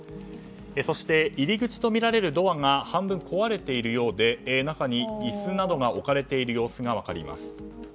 そして、入り口とみられるドアが半分壊れているようで中に椅子などが置かれている様子が分かります。